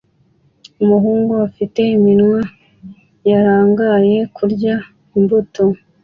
Umuhungu ufite iminwa yarangaye kurya imbuto